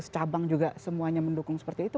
lima ratus cabang juga semuanya mendukung seperti itu